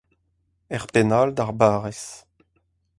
er penn all d'ar barrez